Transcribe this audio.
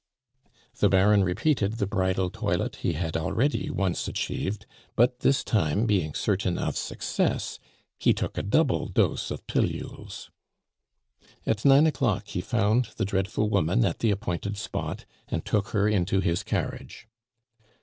The Baron repeated the bridal toilet he had already once achieved; but this time, being certain of success, he took a double dose of pillules. At nine o'clock he found the dreadful woman at the appointed spot, and took her into his carriage.